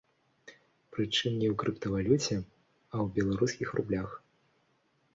Прычым, не ў крыптавалюце, а ў беларускіх рублях.